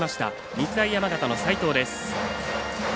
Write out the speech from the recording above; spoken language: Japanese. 日大山形の齋藤です。